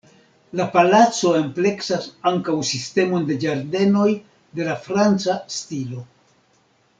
La palaco ampleksas ankaŭ sistemon de ĝardenoj de la franca stilo.